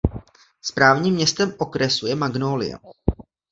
Správním městem okresu je Magnolia.